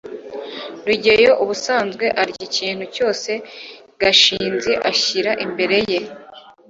rugeyo ubusanzwe arya ikintu cyose gashinzi ashyira imbere ye